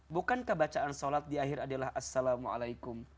bukan kebacaan sholat di akhir adalah assalamu'alaikum